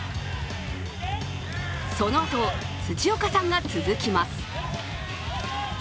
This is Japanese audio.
そのあとを辻岡さんが続きます。